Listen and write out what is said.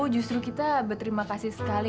justru kita berterima kasih sekali